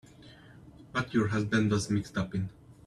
What your husband was mixed up in.